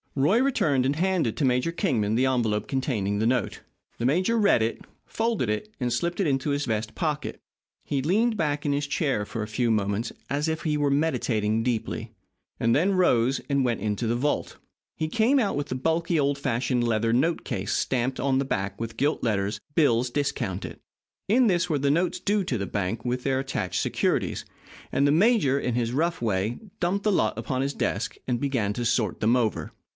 Roy returned and handed to Major Kingman the envelope containing the note. The major read it, folded it, and slipped it into his vest pocket. He leaned back in his chair for a few moments as if he were meditating deeply, and then rose and went into the vault. He came out with the bulky, old fashioned leather note case stamped on the back in gilt letters, "Bills Discounted." In this were the notes due the bank with their attached securities, and the major, in his rough way, dumped the lot upon his desk and began to sort them over.